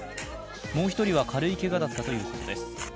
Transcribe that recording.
もう一人は軽いけがだったということです。